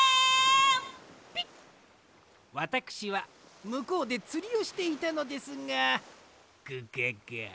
ピッわたくしはむこうでつりをしていたのですがグガガ。